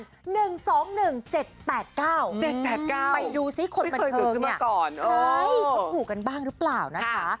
ไปดูสิคนบรรเทิงเนี่ยเห้ยพบกันบ้างหรือเปล่านะคะไปดูสิคนบรรเทิงเนี่ยเห้ยพบกันบ้างหรือเปล่านะคะ